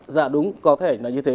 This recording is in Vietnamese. dạ đúng có thể là như thế